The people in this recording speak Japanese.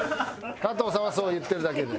カトウさんはそう言ってるだけで。